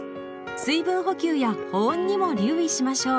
水分補給や保温にも留意しましょう。